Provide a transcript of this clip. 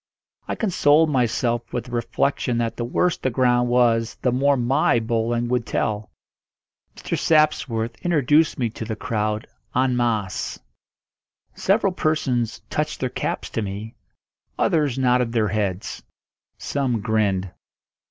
I consoled myself with the reflection that the worse the ground was the more my bowling would tell. Mr. Sapworth introduced me to the crowd en masse. Several persons touched their caps to me; others nodded their heads; some grinned.